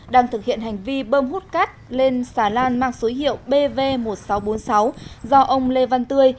đang thực hiện hành vi bơm hút cát lên xà lan mang số hiệu bv một nghìn sáu trăm bốn mươi sáu do ông lê văn tươi